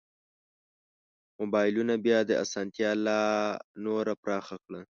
مبایلونو بیا دا اسانتیا لا نوره پراخه کړه.